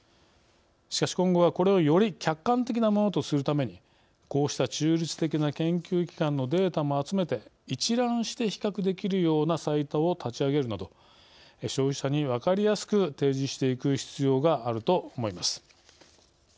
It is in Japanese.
しかし、今後はこれをより客観的なものとするためにこうした中立的な研究機関のデータも集めて一覧して比較できるようなサイトを立ち上げるなど消費者に分かりやすく提示していく必要があると思います。